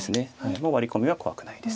もうワリ込みは怖くないです。